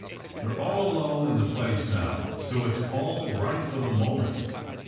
We are alone in the place now, so it s all right for the moment.